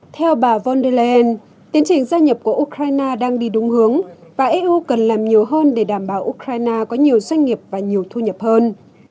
theo bà von der leyen tiến trình gia nhập của ukraine đang đi đúng hướng và eu cần làm nhiều hơn để đảm bảo ukraine có nhiều doanh nghiệp và nhiều thu nhập hơn